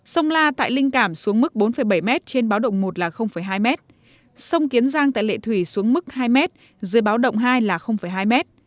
sông la tại linh cảm xuống mức bốn bảy m trên báo động một là hai m sông kiến giang tại lệ thủy xuống mức hai m dưới báo động hai là hai m